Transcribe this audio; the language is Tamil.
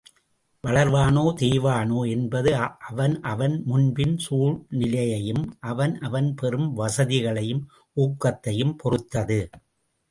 வளர்வானோ தேய்வானோ என்பது அவன் அவன், முன்பின் சூழ்நிலையையும் அவன் அவன் பெறும் வசதிகளையும் ஊக்கத்தையும் பொறுத்தது.